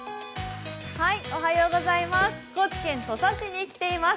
高知県土佐市に来ています。